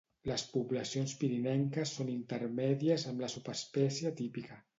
Les poblacions pirinenques són intermèdies amb la subespècie típica.